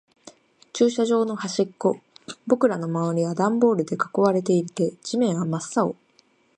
駐車場の端っこ。僕らの周りはダンボールで囲われていて、地面は真っ青。